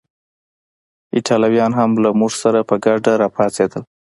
ایټالویان هم له موږ سره په ګډه راپاڅېدل.